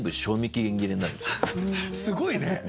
すごいね。